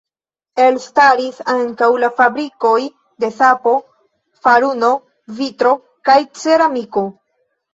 Elstaris ankaŭ la fabrikoj de sapo, faruno, vitro kaj ceramiko.